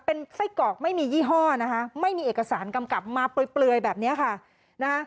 เป็นไส้กรอกไม่มียี่ห้อนะคะไม่มีเอกสารกำกลับมาเปลือยแบบนี้ค่ะนะฮะ